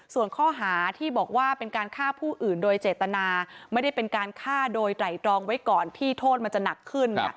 ส่วนข้อหาที่บอกว่าเป็นการฆ่าผู้อื่นโดยเจตนาไม่ได้เป็นการฆ่าโดยไตรตรองไว้ก่อนที่โทษมันจะหนักขึ้น